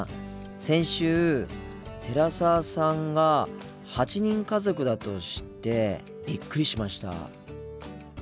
先週寺澤さんが８人家族だと知ってびっくりしました。